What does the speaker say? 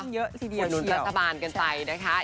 เยอะทีเดียวเชียร์รัฐบาลกันไปนะคะ